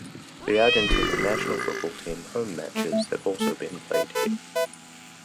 The Argentina national football team home matches have also been played here.